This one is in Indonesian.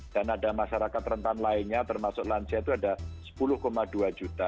dan ada masyarakat rentan lainnya termasuk lansia itu ada rp sepuluh dua juta